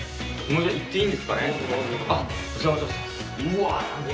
行っていいんですかね？